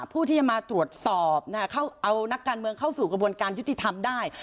ผู้ที่จะมาตรวจสอบเอานักการเมืองเข้าสู่กระบวนการยุติธรรมได้